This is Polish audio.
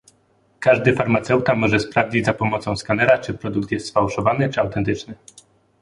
Każdy farmaceuta może sprawdzić za pomocą skanera, czy produkt jest sfałszowany czy autentyczny